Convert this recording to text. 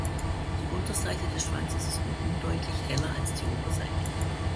Die Unterseite des Schwanzes ist nur undeutlich heller als die Oberseite.